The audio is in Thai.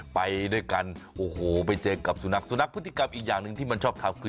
ไปเจอกับสูนะสูนะพฤติกรรมอีกอย่างมันที่มันชอบทำคือ